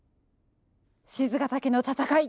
賤ヶ岳の戦い